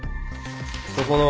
そこの。